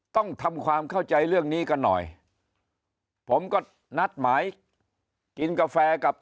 ต้องทำความเข้าใจเรื่องนี้กันหน่อยผมก็นัดหมายกินกาแฟกับ